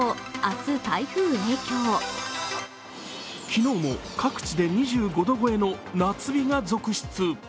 昨日も各地で２５度超えの夏日が続出。